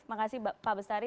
terima kasih pak bestari